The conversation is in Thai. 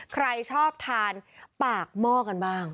ใครชอบทานปากหม้อกันบ้าง